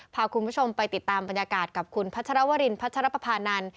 พาคุณผู้ชมไปติดตามบรรยากาศกับคุณพระราชราวรินพระรับประฟานั่น